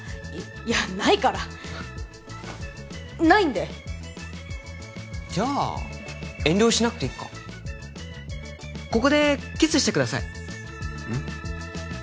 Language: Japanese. いやないからないんでじゃあ遠慮しなくていっかここでキスしてくださいうん？